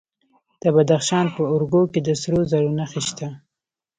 د بدخشان په ارګو کې د سرو زرو نښې شته.